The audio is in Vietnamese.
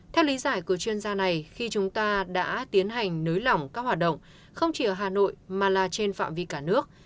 theo lý giải của chuyên gia này khi chúng ta đã tiến hành nới lỏng các hoạt động không chỉ ở hà nội mà là trên phạm vi cả nước